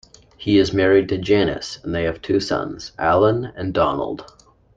He is married to Janice, and they have two sons, Alan and Donald.